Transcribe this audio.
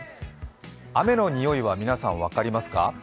雨のにおいは皆さん分かりますか？